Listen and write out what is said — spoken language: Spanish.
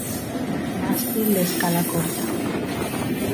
Mástil de escala corta.